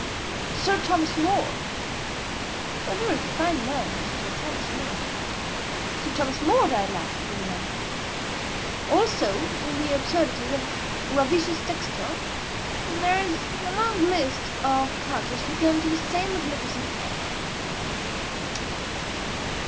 Sir Thomas More—a very fine man was Sir Thomas More—Sir Thomas More died laughing, you remember. Also in the Absurdities of Ravisius Textor, there is a long list of characters who came to the same magnificent end.